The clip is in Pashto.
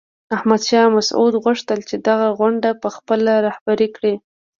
احمد شاه مسعود غوښتل چې دغه غونډه په خپله رهبري کړي.